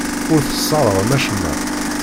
Ur tesserɣem acemma.